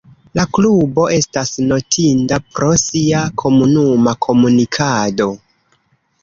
La klubo estas notinda pro sia komunuma komunikado.